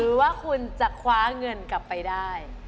ว่าคุณจะคว้าเงินกลับไปได้